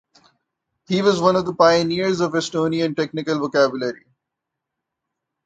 He was one of the pioneers of Estonian technical vocabulary.